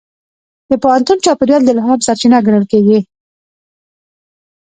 د پوهنتون چاپېریال د الهام سرچینه ګڼل کېږي.